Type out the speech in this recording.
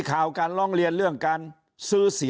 ยิ่งอาจจะมีคนเกณฑ์ไปลงเลือกตั้งล่วงหน้ากันเยอะไปหมดแบบนี้